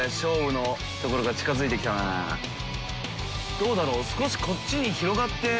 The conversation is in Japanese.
どうだろう？大島）